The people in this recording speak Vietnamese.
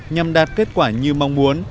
nhằm đạt kết quả như mong muốn